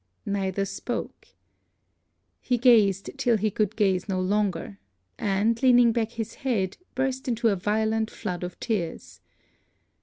Neither spoke. He gazed, till he could gaze no longer; and, leaning back his head, burst into a violent flood of tears.